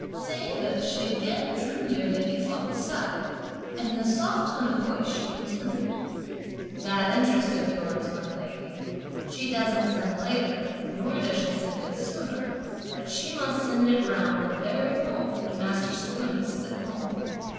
Saying this she again drew near lady Feng's side, and in a soft tone of voice, she continued: "That interest of yours, my lady, she doesn't send later, nor does she send it sooner; but she must send it round the very moment when master Secundus is at home!